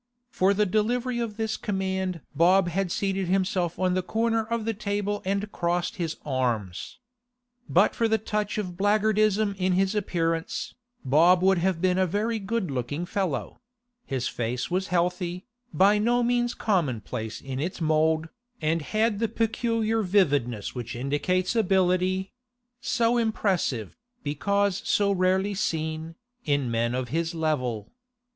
For the delivery of this command Bob had seated himself on the corner of the table and crossed his arms. But for the touch of black guardism in his appearance, Bob would have been a very good looking fellow; his face was healthy, by no means commonplace in its mould, and had the peculiar vividness which indicates ability—so impressive, because so rarely seen, in men of his level.